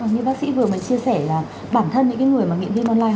như bác sĩ vừa mới chia sẻ là bản thân những người nghiện game online